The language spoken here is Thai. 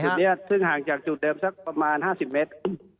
นี้ซึ่งห่างจากจุดเดิมสักประมาณ๕๐เมตร